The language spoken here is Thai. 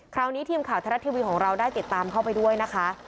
คราวนี้ทีมข่าวไทยรัฐทีวีของเราได้ติดตามเข้าไปด้วยนะคะ